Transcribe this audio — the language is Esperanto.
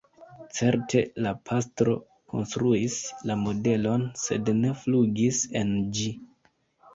Certe la pastro konstruis la modelon, sed ne flugis en ĝi.